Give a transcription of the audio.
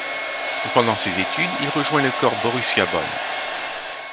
Pendant ses études, il rejoint le Corps Borussia Bonn.